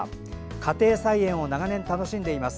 家庭菜園を長年楽しんでいます。